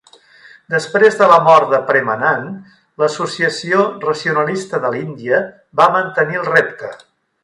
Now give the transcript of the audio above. Després de la mort de Premanand, l'Associació Racionalista de l'Índia va mantenir el repte.